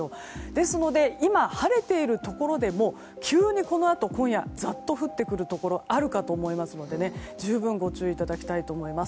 ですので今晴れているところでも急にこのあと今夜ザッと降ってくるところがあると思いますので十分ご注意いただきたいと思います。